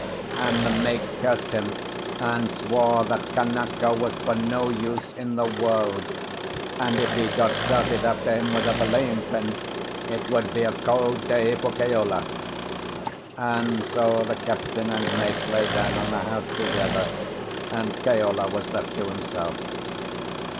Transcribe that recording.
And the mate cursed him, and swore that Kanaka was for no use in the world, and if he got started after him with a belaying pin, it would be a cold day for Keola. And so the captain and mate lay down on the house together, and Keola was left to himself.